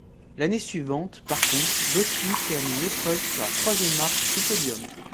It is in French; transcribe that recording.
L'année suivante par contre, Loosli termine l'épreuve sur la troisième marche du podium.